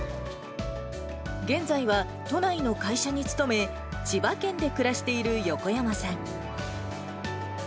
現在は都内の会社に勤め、千葉県で暮らしている横山さん。